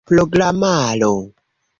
programaro